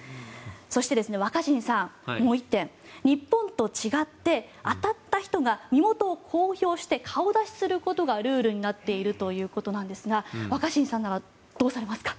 そして若新さん、もう１点日本と違って当たった人が身元を公表して顔出しすることがルールになっているということなんですが若新さんならどうされますか。